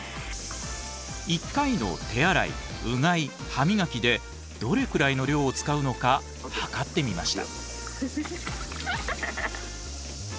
１回の手洗いうがい歯みがきでどれくらいの量を使うのか測ってみました。